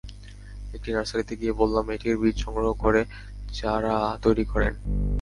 একটি নার্সারিতে গিয়ে বললাম এটির বীজ সংগ্রহ করে চারা তৈরি করেন।